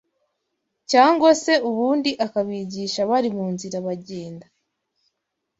cyangwa se ubundi akabigisha bari mu nzira bagenda